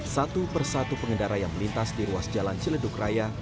satu persatu pengendara yang melintas di ruas jalan ciledug raya